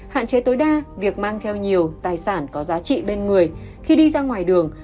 hạn chế tối đa việc mang theo nhiều tài sản có giá trị bên người khi đi ra ngoài đường